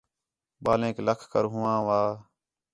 ٻالینک لَکھ کر ہو آنوا